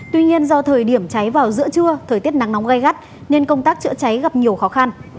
tuy nhiên do thời điểm cháy vào giữa trưa thời tiết nắng nóng gây gắt nên công tác chữa cháy gặp nhiều khó khăn